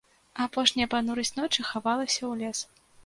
Апошняя панурасць ночы хавалася ў лес.